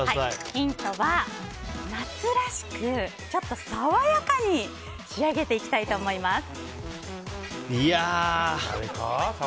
ヒントは、夏らしくちょっと爽やかに仕上げていきたいと思います。